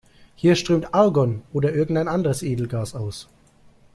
Hier strömt Argon oder irgendein anderes Edelgas aus.